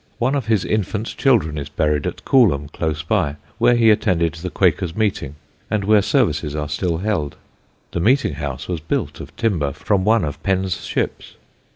One of his infant children is buried at Coolham, close by, where he attended the Quakers' meeting and where services are still held. The meeting house was built of timber from one of Penn's ships.